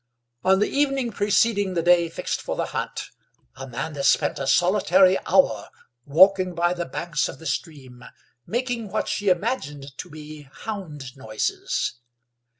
On the evening preceding the day fixed for the hunt Amanda spent a solitary hour walking by the banks of the stream, making what she imagined to be hound noises.